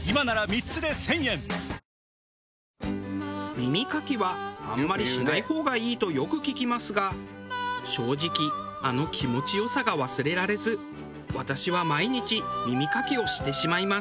耳かきはあんまりしない方がいいとよく聞きますが正直あの気持ち良さが忘れられず私は毎日耳かきをしてしまいます。